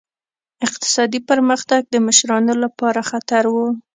اقتصادي پرمختګ د مشرانو لپاره خطر و.